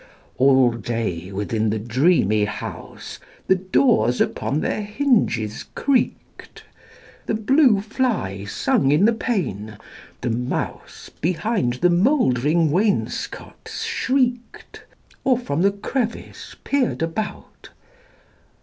All day within the dreamy house, The doors upon their hinges creak'd; The blue fly sung in the pane; the mouse Behind the mouldering wainscot shriek'd, Or from the crevice peer'd about.